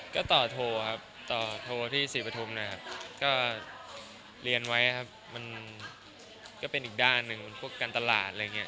ก็ต่อโทรครับต่อโทรที่ศรีปฐุมนะครับก็เรียนไว้ครับมันก็เป็นอีกด้านหนึ่งพวกการตลาดอะไรอย่างนี้